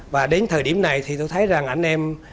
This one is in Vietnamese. và đến thời điểm này thì tôi thấy rằng anh em